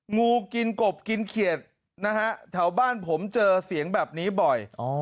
งูกินกบกินเขียดนะฮะแถวบ้านผมเจอเสียงแบบนี้บ่อย